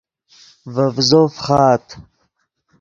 ڤے ڤیزو فخآت